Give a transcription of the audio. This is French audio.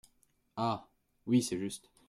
Ah ! oui, c’est juste !…